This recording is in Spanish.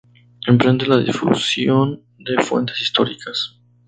Emprende la difusión de fuentes históricas.